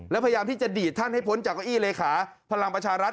แล้วพยายามที่จะดีดท่านให้พ้นจากเก้าอี้เลขาพลังประชารัฐ